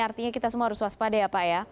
artinya kita semua harus waspada ya pak ya